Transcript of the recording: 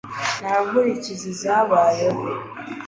Nta nkurikizi zabayeho.